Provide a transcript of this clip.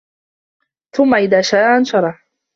ثُمَّ إِذا شاءَ أَنشَرَهُ